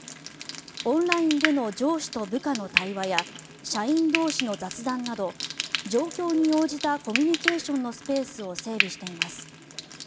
オンラインでの上司と部下の対話や社員同士の雑談など状況に応じたコミュニケーションのスペースを整備しています。